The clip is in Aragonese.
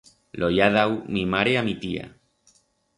Lo i ha dau mi mare a mi tía.